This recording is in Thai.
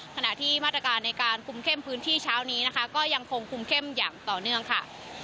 ขณะที่มาตรการในการคุมเข้มพื้นที่เช้านี้นะคะก็ยังคงคุมเข้มอย่างต่อเนื่องค่ะ